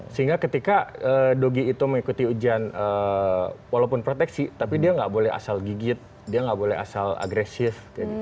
sehingga ketika dogi itu mengikuti ujian walaupun proteksi tapi dia nggak boleh asal gigit dia nggak boleh asal agresif